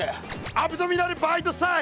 アブドミナルバイドサイ！